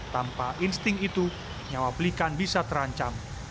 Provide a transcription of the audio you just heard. tanpa insting itu nyawa belikan bisa terancam